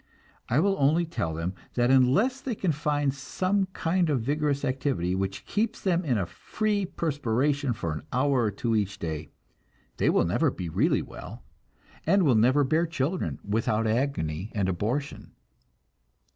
I will only tell them that unless they can find some kind of vigorous activity which keeps them in a free perspiration for an hour or two each day, they will never be really well, and will never bear children without agony and abortion.